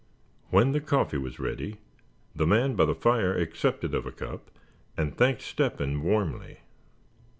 When the coffee was ready, the man by the fire accepted of a cup, and thanked Step hen warmly.